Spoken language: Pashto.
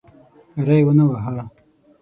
ری ونه واهه.